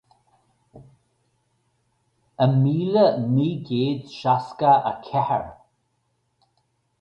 I míle naoi gcéad seasca a ceathair.